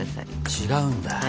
違うんだ？